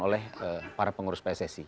oleh para pengurus pssi